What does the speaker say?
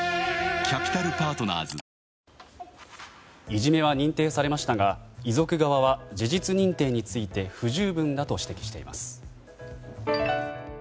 いじめは認定されましたが遺族側は事実認定について不十分だと指摘しています。